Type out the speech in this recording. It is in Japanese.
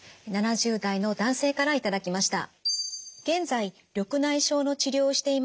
７０代の男性から頂きました。